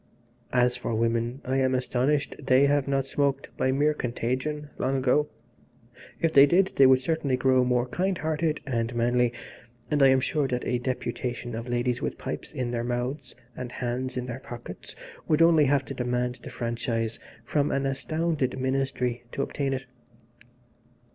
"As for women I am astonished they have not smoked, by mere contagion, long ago. If they did they would certainly grow more kind hearted and manly, and I am sure that a deputation of ladies with pipes in their mouths and hands in their pockets would only have to demand the franchise from an astounded ministry to obtain it.